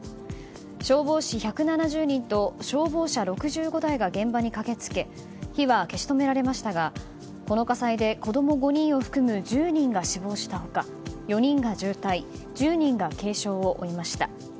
消防士１７０人と消防車６５台が現場に駆け付け火は消し止められましたがこの火災で子供５人を含む１０人が死亡した他４人が重体１０人が軽傷を負いました。